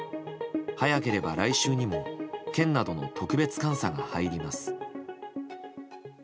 早ければ来週にも県などの特別監査が入ります。